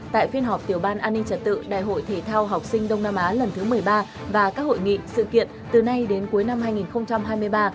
tại phiên họp tiểu ban an ninh trật tự đại hội thể thao học sinh đông nam á lần thứ một mươi ba và các hội nghị sự kiện từ nay đến cuối năm hai nghìn hai mươi ba